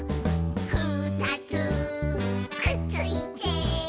「ふたつくっついて」